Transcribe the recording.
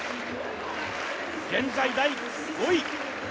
現在第５位。